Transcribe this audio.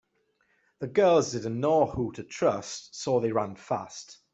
The girls didn’t know who to trust so they ran fast.